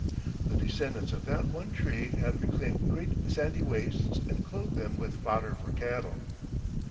The descendants of that one tree have reclaimed great sandy wastes and clothed them with fodder for cattle.